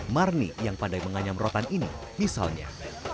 marni yang pandai menganyam rotan ini misalnya